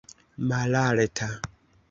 malalta